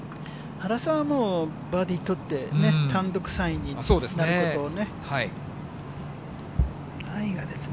原さんはもう、バーディー取って、単独３位になることをね。